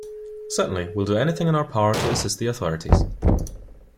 Certainly, we’ll do anything in our power to assist the authorities.